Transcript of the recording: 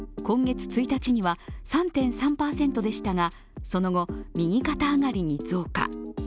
今日１日には３．３％でしたが、その後、右肩上がりに増加。